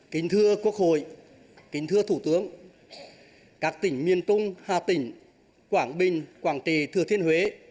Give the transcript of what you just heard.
kính thưa quốc hội kính thưa thủ tướng các tỉnh miền trung hà tỉnh quảng bình quảng trị thừa thiên huế